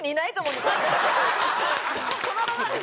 このままで。